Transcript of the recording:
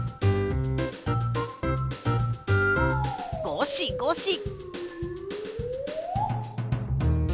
ごしごし。